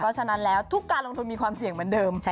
เพราะฉะนั้นแล้วทุกการลงทุนมีความเสี่ยงเหมือนเดิม